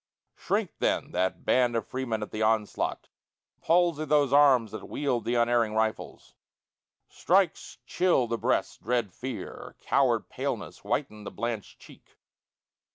Shrink then that band of freemen, at the onslaught? Palsy those arms that wield the unerring rifles? Strikes chill the breast dread fear? or coward paleness Whiten the blanch'd cheek?